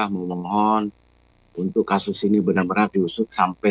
supaya tidak terjadi lagi dan tidak ditutupi